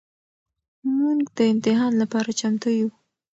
مونږ د امتحان لپاره چمتو يو.